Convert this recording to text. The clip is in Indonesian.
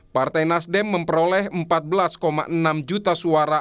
partai nasdem memperoleh empat belas enam juta suara